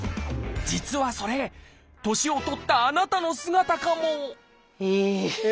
実はそれ年を取ったあなたの姿かもええ！